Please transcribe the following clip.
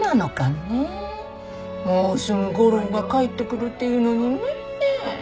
もうすぐ吾良が帰ってくるっていうのにねえ。